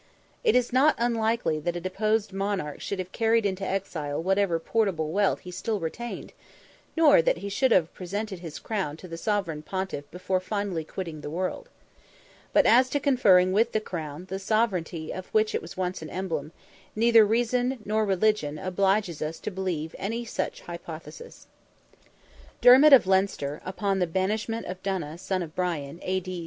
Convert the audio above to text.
It is not unlikely that a deposed monarch should have carried into exile whatever portable wealth he still retained, nor that he should have presented his crown to the Sovereign Pontiff before finally quitting the world. But as to conferring with the crown, the sovereignty of which it was once an emblem, neither reason nor religion obliges us to believe any such hypothesis. Dermid of Leinster, upon the banishment of Donogh, son of Brian (A.D.